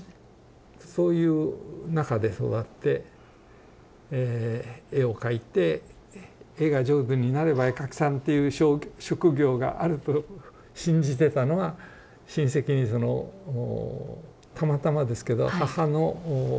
そういう中で育って絵を描いて絵が上手になれば絵描きさんという職業があると信じてたのは親戚にそのたまたまですけど母のおばあちゃんですね